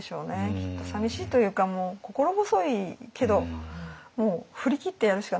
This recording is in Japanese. きっとさみしいというか心細いけどもう振り切ってやるしかないんでしょうね。